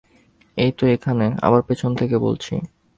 এইতো এখানে, আবার পেছন থেকে বলছি।